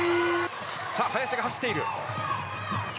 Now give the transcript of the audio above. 林が走っている。